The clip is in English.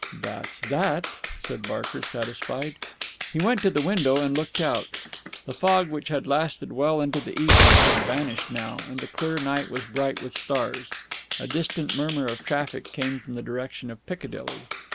"That's that!" said Barker, satisfied. He went to the window and looked out. The fog which had lasted well into the evening, had vanished now, and the clear night was bright with stars. A distant murmur of traffic came from the direction of Piccadilly.